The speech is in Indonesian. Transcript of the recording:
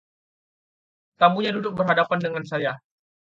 Tamunya duduk berhadapan dengan saya.